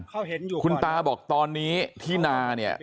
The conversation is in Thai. เข้าเห็นอยู่ค่ะคุณตาบอกตอนนี้ที่นาเนี้ย